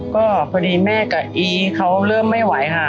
ก็พอดีแม่กับอีเขาเริ่มไม่ไหวค่ะ